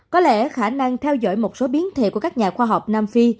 có lẽ khả năng theo dõi một số biến thể của các nhà khoa học nam phi